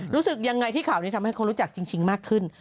รู้สึกยังไงที่ข่าวนี้ทำให้เขารู้จักจริงมากขึ้น